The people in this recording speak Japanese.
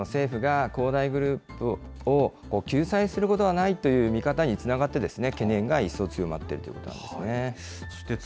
これが政府が恒大グループを救済することはないという見方につながって、懸念が一層強まっているということなんですね。